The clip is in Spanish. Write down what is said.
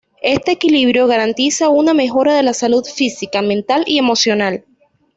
Este equilibrio garantiza una mejora de la salud física, mental y emocional.